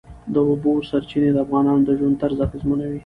د اوبو سرچینې د افغانانو د ژوند طرز اغېزمنوي.